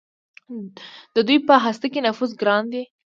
د دوی په هسته کې نفوذ ګران دی.